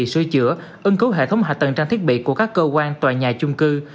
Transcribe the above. sôi chữa ưng cứu hệ thống hạ tầng trang thiết bị của các cơ quan tòa nhà chung cư